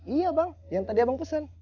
iya bang yang tadi abang pesen